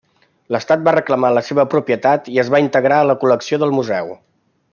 L'Estat va reclamar la seva propietat i es va integrar a la col·lecció del Museu.